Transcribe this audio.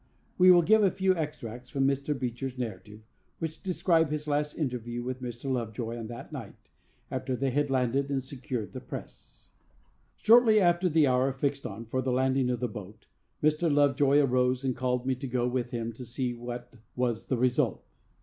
We will give a few extracts from Mr. Beecher's narrative, which describe his last interview with Mr. Lovejoy on that night, after they had landed and secured the press: Shortly after the hour fixed on for the landing of the boat, Mr. Lovejoy arose, and called me to go with him to see what was the result.